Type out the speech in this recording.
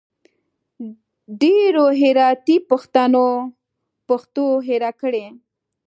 ډېرو هراتي پښتنو پښتو هېره کړي